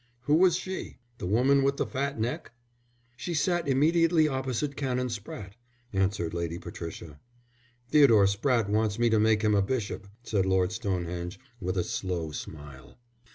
"Who was she? The woman with the fat neck?" "She sat immediately opposite Canon Spratte," answered Lady Patricia. "Theodore Spratte wants me to make him a bishop," said Lord Stonehenge, with a slow smile.